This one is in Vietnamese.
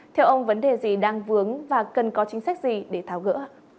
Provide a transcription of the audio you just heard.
theo ông vấn đề gì đang vướng và cần có chính sách gì để tháo gỡ